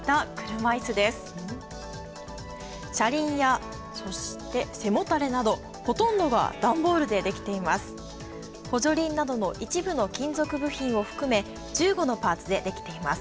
車輪や、そして背もたれなど、ほとんどが段ボールでできています。